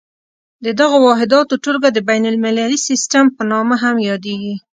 د دغو واحداتو ټولګه د بین المللي سیسټم په نامه هم یادیږي.